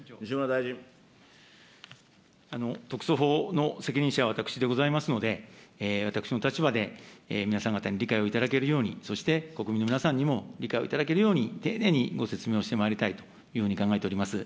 特措法の責任者は私でございますので、私の立場で皆さん方に理解をいただけるように、そして国民の皆さんにも理解をいただけるように、丁寧にご説明をしてまいりたいと考えております。